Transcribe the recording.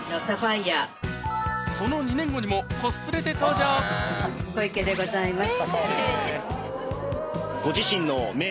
その２年後にもコスプレで登場小池でございます。